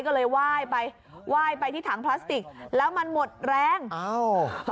ก็เลยไหว้ไปไหว้ไปที่ถังพลาสติกแล้วมันหมดแรงอ้าว